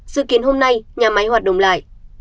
dự kiến hôm nay nhà máy hoạt động lại